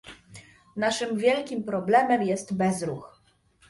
Naszym wielkim problemem jest bezruch